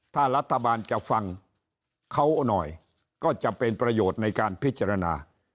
ถ้ารัฐบาลจะฟังเขาหน่อยก็จะเป็นประโยชน์ในการพิจารณา